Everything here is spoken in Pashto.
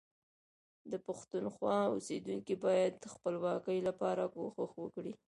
د پښتونخوا اوسیدونکي باید د خپلواکۍ لپاره کوښښ وکړي